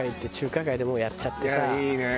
いいね。